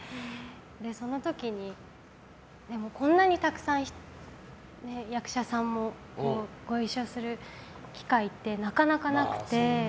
その時に、こんなにたくさん役者さんもご一緒する機会ってなかなかなくて。